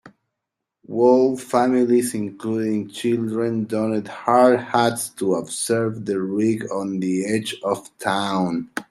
Whole families including children donned hard hats to observe the rig on the edge of town